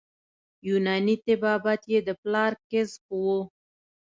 یوناني طبابت یې د پلار کسب وو.